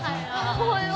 おおはよう。